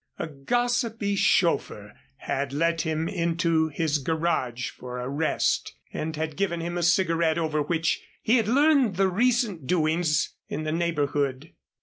A gossipy chauffeur had let him into his garage for a rest and had given him a cigarette over which he had learned the recent doings in the neighborhood.